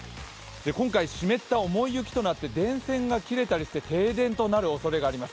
今回、湿った重い雪となって電線で切れたりして、停電となるおそれがあります。